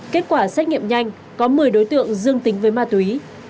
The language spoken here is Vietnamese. kết quả xét nghiệm nhanh có một mươi đối tượng dương tính với ma túy